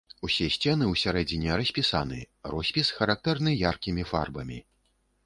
Усе сцены ўсярэдзіне распісаны, роспіс характэрны яркімі фарбамі.